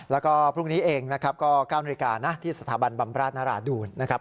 แล้วก็พรุ่งนี้เองนะครับก็๙นาฬิกานะที่สถาบันบำราชนราดูนนะครับ